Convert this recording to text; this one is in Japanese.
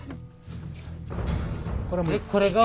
これが兜。